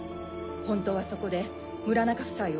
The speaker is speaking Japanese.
ホントはそこで村中夫妻を。